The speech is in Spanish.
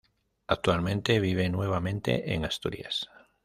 Actualmente vive nuevamente en Asturias.